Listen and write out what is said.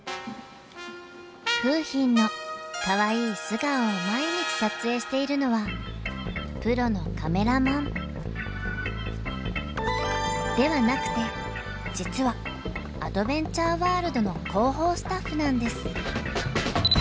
楓浜のかわいい素顔を毎日撮影しているのはプロのカメラマン。ではなくて実はアドベンチャーワールドの広報スタッフなんです。